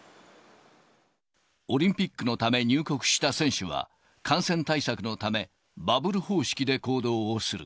オリンピックのため入国した選手は、感染対策のため、バブル方式で行動をする。